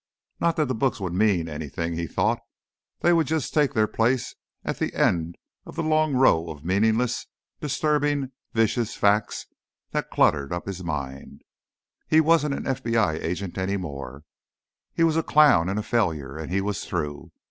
Not that the books would mean anything, he thought. They would just take their places at the end of the long row of meaningless, disturbing, vicious facts that cluttered up his mind. He wasn't an FBI agent any more; he was a clown and a failure, and he was through.